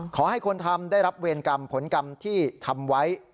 ขอให้คนทำได้รับเวรกรรมผลกรรมที่ทำไว้